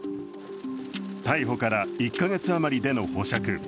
逮捕から１か月あまりでの保釈。